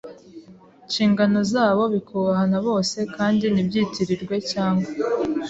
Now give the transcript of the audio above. nshingano zabo bikubahwa na bose kandi ntibyitirirwe cyangwa